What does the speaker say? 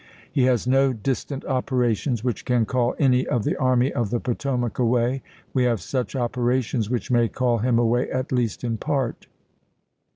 He has no distant operations which can call any of the Army of the Potomac away; we have such operations which may call him away, at least in part.